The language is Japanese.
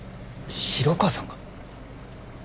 城川さんが？